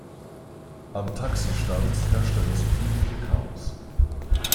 Am Taxistand herrschte das übliche Chaos.